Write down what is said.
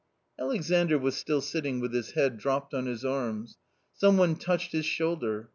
Atexandr was still sitting with his head dropped on his arms. Some one touched his shoulder.